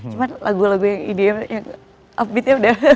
cuma lagu lagu yang ideal yang upbeatnya udah